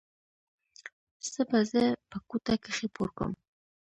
څه به زه په کوټه کښې پورکم.